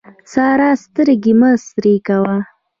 سارا سترګې مه سرې کوه.